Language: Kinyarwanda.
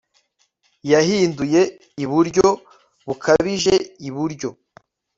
yahinduye iburyo bukabije iburyo